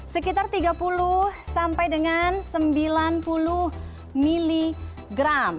sekitar tiga puluh sampai dengan sembilan puluh miligram